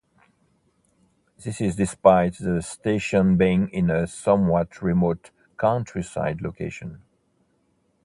This is despite the station being in a somewhat remote countryside location.